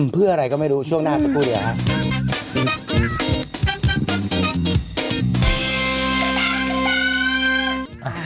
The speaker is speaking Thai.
เพื่ออะไรก็ไม่รู้ช่วงหน้าสักครู่เดียวครับ